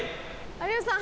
有吉さん